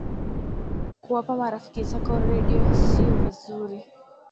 kuwapa marafiki zako redio siyo vizuri